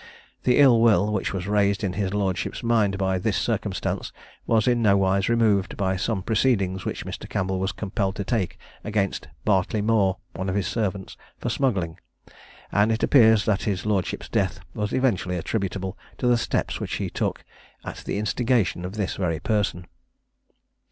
The ill will which was raised in his lordship's mind by this circumstance, was in nowise removed by some proceedings which Mr. Campbell was compelled to take against Bartleymore, one of his servants, for smuggling; and it appears that his lordship's death was eventually attributable to the steps which he took at the instigation of this very person.